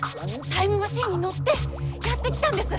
タイムマシンに乗ってやって来たんです。